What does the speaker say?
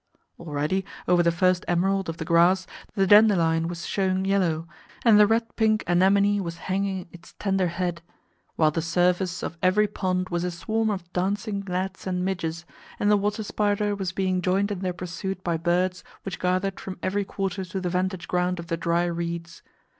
Already, over the first emerald of the grass, the dandelion was showing yellow, and the red pink anemone was hanging its tender head; while the surface of every pond was a swarm of dancing gnats and midges, and the water spider was being joined in their pursuit by birds which gathered from every quarter to the vantage ground of the dry reeds.